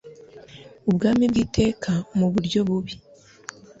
ubwami bw'iteka muburyo bubi